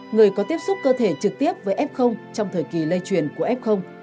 người có tiếp xúc cơ thể trực tiếp với f trong thời kỳ lây truyền của f